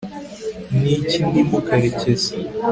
ni iki ndimo karekezi